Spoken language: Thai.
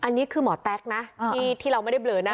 อันนี้คือหมอแต๊กนะที่เราไม่ได้เบลอหน้า